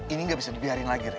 ini gak bisa dibiarin lagi re